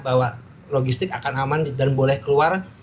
bahwa logistik akan aman dan boleh keluar